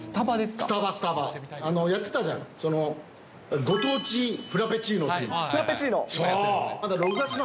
スタバ、スタバ、やってたじゃん、ご当地フラペチーノっていフラペチーノ？